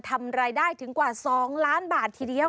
ทำรายได้ถึงกว่า๒ล้านบาททีเดียว